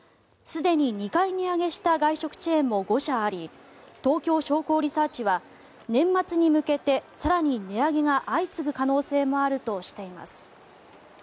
すでに２回値上げした外食チェーンも５社あり東京商工リサーチは年末に向けて更に値上げが相次ぐ可能性もあるとしています。